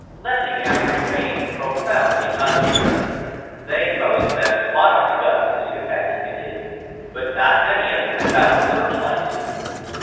Lessingham remained profoundly uninterested. "They most of them spotted the guns," his companion continued, "but not many of them have found the searchlights yet."